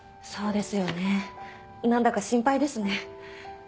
そうですよね何だか心配ですね。